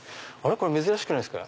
これ珍しくないですか？